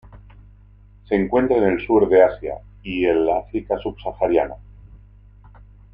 Se encuentra en el sur de Asia y el África subsahariana.